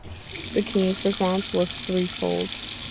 The king's response was threefold.